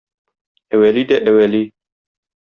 Әвәли дә әвәли.